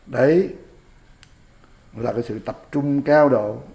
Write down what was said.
đấy là sự tập trung cao độ